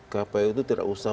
kpu itu tidak usah